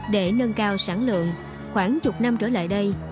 để nâng cao sản lượng khoảng chục năm trở lại đây